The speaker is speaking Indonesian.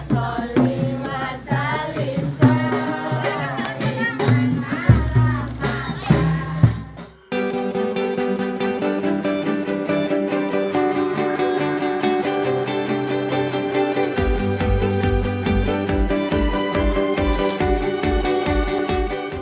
kota soli masa lintas kota lintas masa lintas